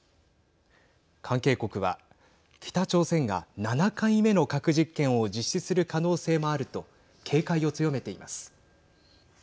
関係国は北朝鮮が７回目の核実験を実施する可能性もあると警戒を強めています。